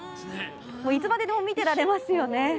いつまででも見てられますよね。